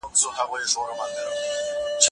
ما دا کتاب مخکې هم لوستی دی.